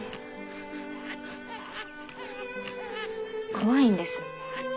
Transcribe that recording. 怖いんです。